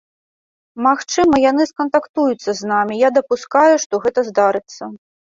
Магчыма, яны скантактуюцца з намі, я дапускаю, што гэта здарыцца.